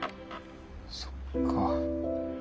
そっか。